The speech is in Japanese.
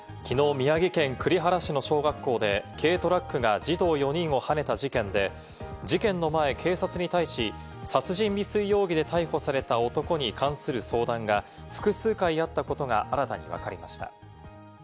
宮城県栗原市の小学校で軽トラックが児童４人をはねた事件で、事件の前、警察に対し殺人未遂容疑で逮捕された男に関する相談が複数回あったことが新たにわかりました。